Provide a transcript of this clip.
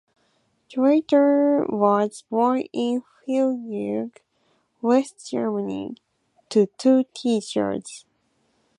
Schweiger was born in Freiburg, West Germany, to two teachers.